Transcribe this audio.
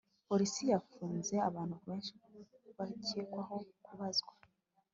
polisi yafunze abantu benshi bakekwaho kubazwa